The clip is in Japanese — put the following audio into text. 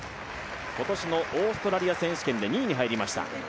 今年のオーストラリア選手権で２位に入りました。